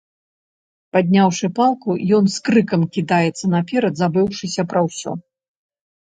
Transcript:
Падняўшы палку, ён з крыкам кідаецца наперад, забыўшыся пра ўсё.